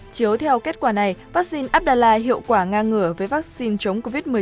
chiếu theo kết quả này vaccine abdallah hiệu quả ngang ngửa với vaccine chống covid một mươi chín